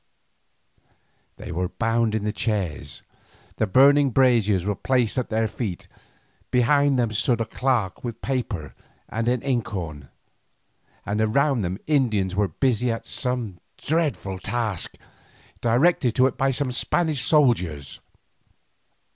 They were bound in the chairs, the burning braziers were placed at their feet, behind them stood a clerk with paper and an inkhorn, and around them Indians were busy at some dreadful task, directed to it by two Spanish soldiers.